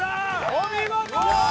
お見事！